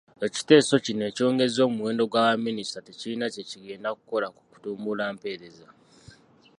Ekiteeso kino ekyongeza omuwendo gwa baminisita tekirina kye kigenda kukola ku kutumbula mpeereza.